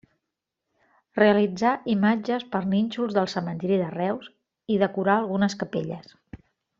Realitzà imatges per nínxols del cementiri de Reus, i decorà algunes capelles.